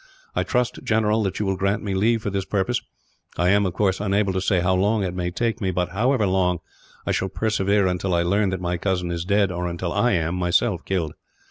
"I trust, General, that you will grant me leave for this purpose. I am, of course, unable to say how long it may take me but, however long, I shall persevere until I learn that my cousin is dead, or until I am, myself, killed.